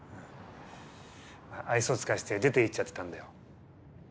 愛想尽かして出ていっちゃってたんだよ。